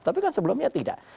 tapi kan sebelumnya tidak